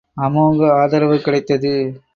அமோக ஆதரவு கிடைத்தது.